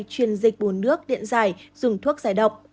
chuyên dịch bùn nước điện dài dùng thuốc giải độc